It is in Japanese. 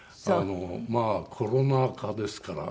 まあコロナ禍ですから。